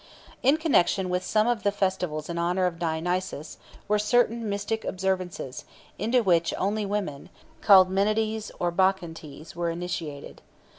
In connection with some of the festivals in honour of Dionysus were certain mystic observances, into which only women, called Menades or Bacchantes, were initiated.